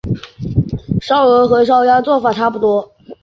烧鹅和烧鸭做法差不多。